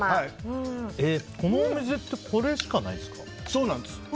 このお店ってこれしかないんですか？